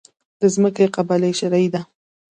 د ځمکې قباله شرعي ده؟